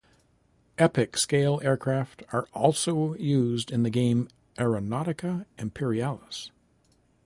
Epic-scale aircraft are also used in the game "Aeronautica Imperialis".